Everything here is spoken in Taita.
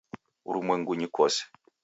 Wurumwengunyi kose